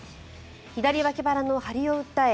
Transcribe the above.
左脇腹の張りを訴え